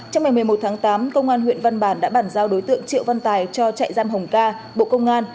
trong ngày một mươi một tháng tám công an huyện văn bản đã bàn giao đối tượng triệu văn tài cho trại giam hồng ca bộ công an